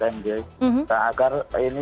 agar ini diselamatkan